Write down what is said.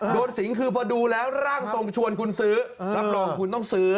สิงคือพอดูแล้วร่างทรงชวนคุณซื้อรับรองคุณต้องซื้อ